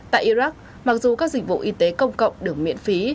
tại iraq mặc dù các dịch vụ y tế công cộng được miễn phí